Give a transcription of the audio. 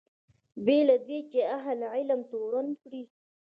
بې له دې چې اهل علم تورن کړي.